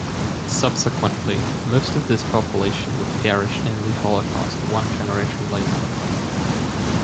Subsequently, most of this population would perish in The Holocaust one generation later.